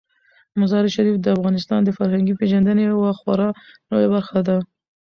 مزارشریف د افغانانو د فرهنګي پیژندنې یوه خورا لویه برخه ده.